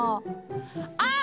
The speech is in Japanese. あっ！